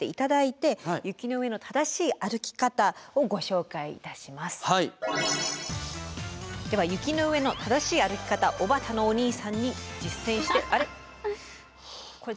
では雪の上の正しい歩き方おたばのお兄さんに実践してあれ？